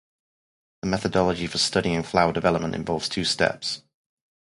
The methodology for studying flower development involves two steps.